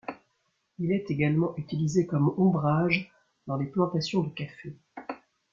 Il est également utilisé comme ombrage dans les plantations de café.